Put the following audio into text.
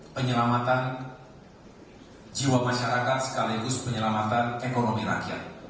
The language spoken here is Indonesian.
penyelamatan jiwa masyarakat sekaligus penyelamatan ekonomi rakyat